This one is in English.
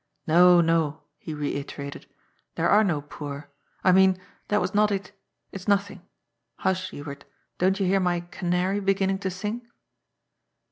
" No, no," he reiterated. " There are no poor. I mean that was not it. It's nothing. Hush, Hubert, don't you hear my canary beginning to sing?"